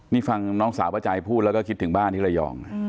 นี่ฟังน้องสาวป้าใจพูดแล้วก็คิดถึงบ้านที่ระยอง